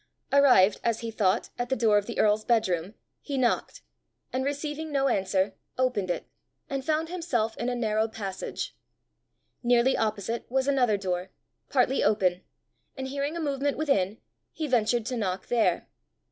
Arrived, as he thought, at the door of the earl's bedroom, he knocked, and receiving no answer, opened it, and found himself in a narrow passage. Nearly opposite was another door, partly open, and hearing a movement within, he ventured to knock there.